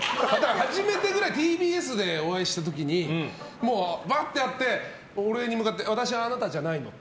初めてぐらいＴＢＳでお会いした時にばっと会って、俺に向かって私はあなたじゃないのって。